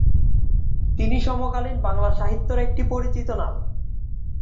তিনি সমকালীন বাংলা সাহিত্যের একটি পরিচিত নাম।